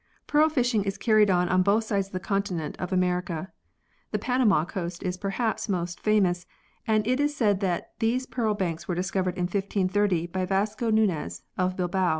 Pearl fishing is carried on on both sides of the continent of America. The Panama coast is perhaps most famous, and it is said that these pearl banks were discovered in 1530 by Vasco Nunez of Bilbao.